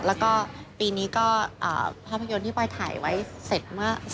แล้วก็ปีนี้ก็ภาพยนตร์ที่ปอยถ่ายไว้เสร็จเมื่อ